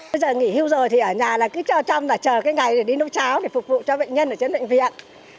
bây giờ nghỉ hưu rồi thì ở nhà là cứ chờ chăm là chờ cái ngày để đi nu cháo để phục vụ cho bệnh nhân ở trên bệnh viện